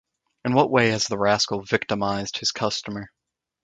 In what way has the rascal victimized his customer?